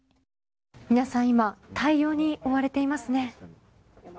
皆さん今対応に追われていますね。